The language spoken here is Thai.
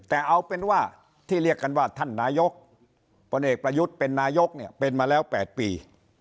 แต่เอาเป็นว่าที่เรียกกันว่าท่านนายกพลเอกประยุทธ์เป็นนายกเนี่ยเป็นมาแล้ว๘ปี